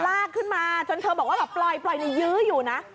ลากขึ้นมาจนเธอบอกว่าแบบปล่อยในยื้ออยู่นะ